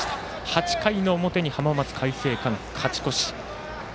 ８回の表に浜松開誠館、勝ち越し。